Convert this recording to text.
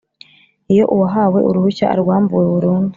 Iyo uwahawe uruhushya arwambuwe burundu